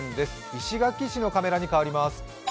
石垣市のカメラに変わります。